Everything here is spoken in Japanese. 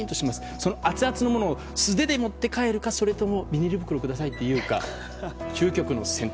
その熱々のものを素手で持って帰るかそれともビニール袋くださいって言うか、究極の選択。